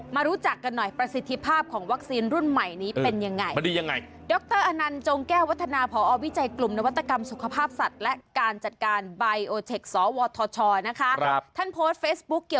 รู้จักกันหน่อยประสิทธิภาพของวัคซีนรุ่นใหม่นี้เป็นยังไง